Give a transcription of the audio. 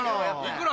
幾ら？